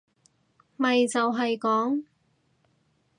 咪就係講